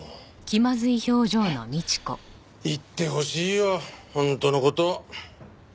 言ってほしいよ本当の事。